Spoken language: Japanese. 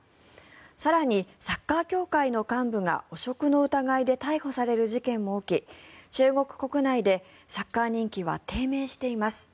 更にサッカー協会の幹部が汚職の疑いで逮捕される事件も起き中国国内でサッカー人気は低迷しています。